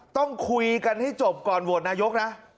ต้องคุยกันให้จบก่อนโหวตนายกนะ